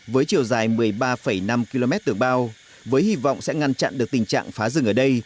với chiều dài một mươi ba năm km tường bao với hy vọng sẽ ngăn chặn được tình trạng phá rừng ở đây